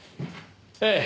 ええ。